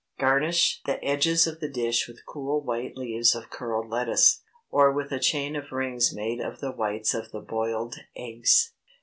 Garnish the edges of the dish with cool white leaves of curled lettuce, or with a chain of rings made of the whites of the boiled eggs.